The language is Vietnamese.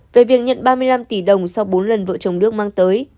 về việc nhận ba mươi năm tỷ đồng sau bốn lần vợ chồng đức mang tới